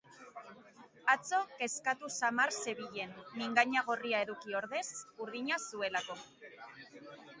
Atzo kezkatu samar zebilen, mingaina gorria eduki ordez urdina zuelako.